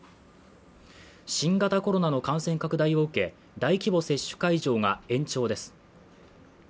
新型コロナの感染拡大を受け大規模接種会場が延長です。